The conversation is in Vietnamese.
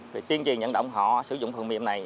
rồi tuyên truyền nhận động họ sử dụng phần mềm này